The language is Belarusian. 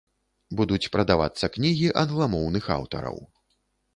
Будуць прадавацца кнігі англамоўных аўтараў.